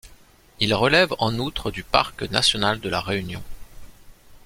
Il relève en outre du parc national de La Réunion.